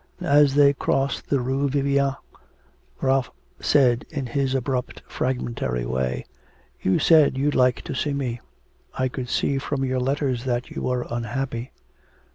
As they crossed the Rue Vivienne, Ralph said in his abrupt fragmentary way: 'You said you'd like to see me, I could see from your letters that you were unhappy.'